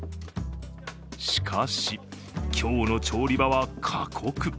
しかし、今日の調理場は過酷。